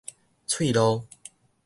喙路